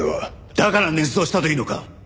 だから捏造したというのか！？